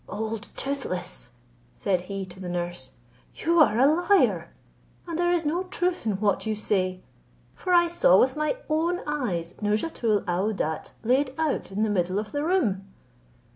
"Old toothless," said he to the nurse, "you are a liar, and there is no truth in what you say; for I saw with my own eyes Nouzhatoul aouadat laid out in the middle of the room."